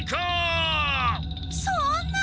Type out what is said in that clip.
そんな！？